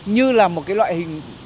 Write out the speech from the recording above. như là một loại hình